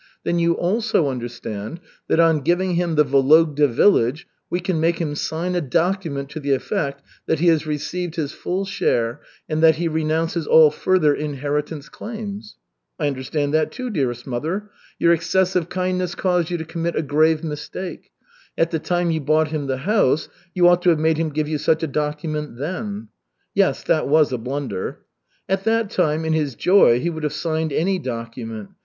"Then you also understand that on giving him the Vologda village we can make him sign a document to the effect that he has received his full share and that he renounces all further inheritance claims." "I understand that too, dearest mother. Your excessive kindness caused you to commit a grave mistake. At the time you bought him the house you ought to have made him give you such a document then." "Yes, that was a blunder." "At that time, in his joy, he would have signed any document.